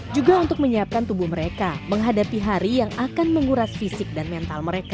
juga untuk menyiapkan tubuh mereka menghadapi hari yang akan menguras fisik dan mental mereka